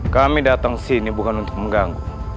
kami datang sini bukan untuk mengganggu